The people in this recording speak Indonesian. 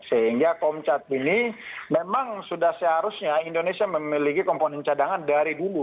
sehingga komcat ini memang sudah seharusnya indonesia memiliki komponen cadangan dari dulu